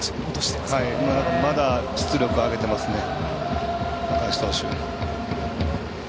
まだ出力を上げていますね高橋投手。